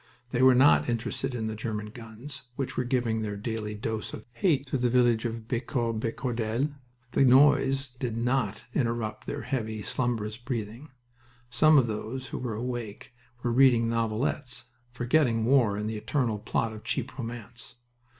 They were not interested in the German guns, which were giving their daily dose of "hate" to the village of Becourt Becordel. The noise did not interrupt their heavy, slumbrous breathing. Some of those who were awake were reading novelettes, forgetting war in the eternal plot of cheap romance.